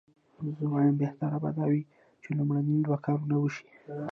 زه وایم بهتره به دا وي چې لومړني دوه کارونه وشي.